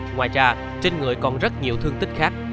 ngoài ra trên người còn rất nhiều thương tích khác